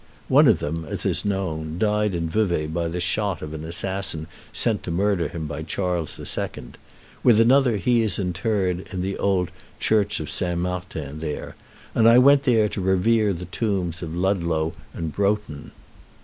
One of them, as is known, died in Vevay by the shot of an assassin sent to murder him by Charles II.; with another he is interred in the old Church of St. Martin there; and I went there to revere the tombs of Ludlow and Broughton.